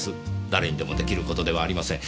誰にでも出来る事ではありません。